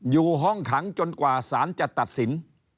อยู่ห้องขังจนกว่าสารจะตัดสิน